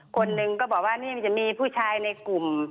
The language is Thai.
คนหนึ่งก็บอกว่านี่มันจะมีผู้ชายในกลุ่ม